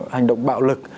hành động bạo lực